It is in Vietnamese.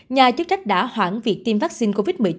nhà chức trách đã hoãn việc tiêm vaccine covid một mươi chín